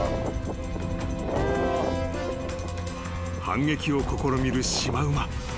［反撃を試みるシマウマ。